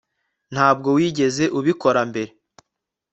ntabwo wigeze ubikora mbere